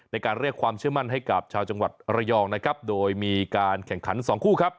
ในการเรียกความเชื่อมั่นให้กับชาวจังหวัดระยองนะครับโดยมีการแข่งขันสองคู่ครับ